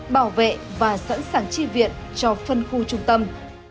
bảo vệ và sẵn sàng chi viện cho phân khu trung tâm